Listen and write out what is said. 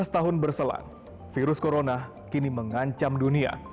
tujuh belas tahun berselan virus corona kini mengancam dunia